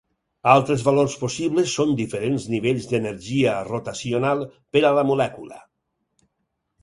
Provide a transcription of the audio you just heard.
Altres valors possibles són diferents nivells d'energia rotacional per a la molècula.